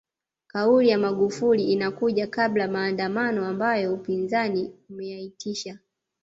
Kauli ya Magufuli inakuja kabla ya maandamano ambayo upinzani umeyaitisha